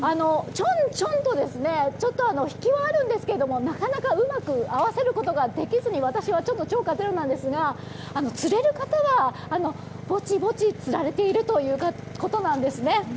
ちょんちょんと引きはあるんですがなかなかうまく合わせることができずに私はちょっと釣果ゼロなんですが釣れる方はぼちぼち釣られているということなんですね。